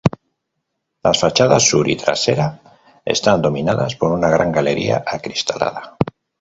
Las fachadas sur y trasera están dominadas por una gran galería acristalada.